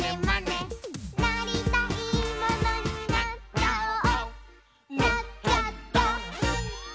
「なっちゃった！」